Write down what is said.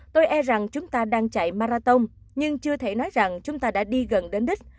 tôi e rằng chúng ta đang chạy marathon nhưng chưa thể nói rằng chúng ta đã đi gần đến đích